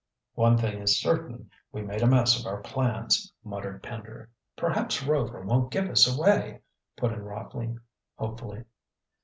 "One thing is certain, we made a mess of our plans," muttered Pender. "Perhaps Rover won't give us away," put in Rockley hopefully.